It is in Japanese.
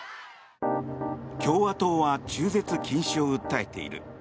共和党は中絶禁止を訴えている。